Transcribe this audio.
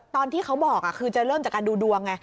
ตอนที่เขาบอกคือจะเริ่มจากการดูดวงไง